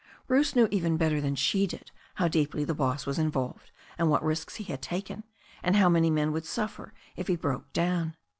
Bruce knew even better than she did how deeply the boss was involved, and what risks he had taken, and how many men would suffer if he broke down.